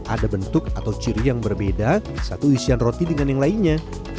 ada bentuk atau ciri yang berbeda satu isian roti dengan yang lainnya